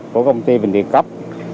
của công ty bình điền cấp